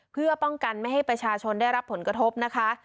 เพื่อป้องกันไม่ให้ประชาชนได้รับผลกระทบนะคะ